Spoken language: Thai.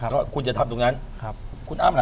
ก็คุณจะทำตรงนั้นคุณอ้ามอะไรครับ